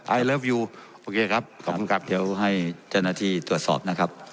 เลิฟยูโอเคครับขอบคุณครับเดี๋ยวให้เจ้าหน้าที่ตรวจสอบนะครับ